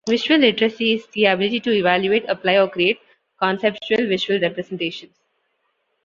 Visual literacy is the ability to evaluate, apply, or create conceptual visual representations.